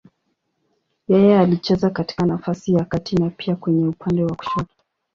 Yeye alicheza katika nafasi ya kati na pia kwenye upande wa kushoto.